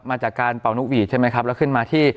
มาจากการเป่านกหวีดใช่ไหมครับแล้วขึ้นมาที่